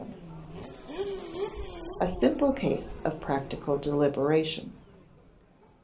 [Sidenote: A simple case of practical deliberation] 1.